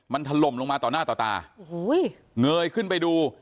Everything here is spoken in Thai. มันถล่มลงมาต่อหน้าต่อตาโอ้โหเงยขึ้นไปดู